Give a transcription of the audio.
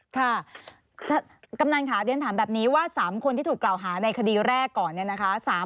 ค่ะกำลังถามแบบนี้ว่า๓คนที่ถูกกล่าวหาในคดีแรกก่อนเนี่ยนะคะ